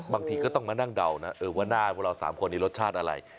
บางทีก็ต้องมานั่งเดานะว่าหน้าพวกเรา๓คนนี้รสชาติอะไร